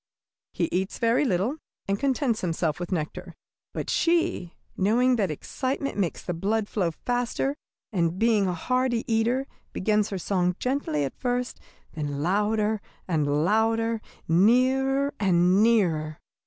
He eats very little, and contents himself with nectar. But she, knowing that excitement makes the blood flow faster, and being a hearty eater, begins her song gently at first, then louder and louder, nearer and nearer.